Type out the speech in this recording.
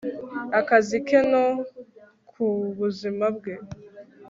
akazi ke no ku buzima bwe